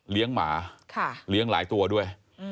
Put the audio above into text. เลี้ยงหมาเลี้ยงหลายตัวด้วย